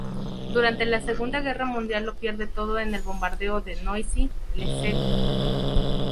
Durante la Segunda Guerra Mundial lo pierde todo en el bombardeo de Noisy-le-Sec.